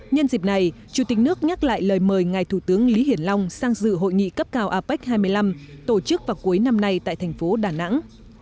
nhân dịp này chủ tịch nước nhắc lại lời mời ngài thủ tướng lý hiển long sang dự hội nghị cấp cao apec hai mươi năm tổ chức vào cuối năm nay tại thành phố đà nẵng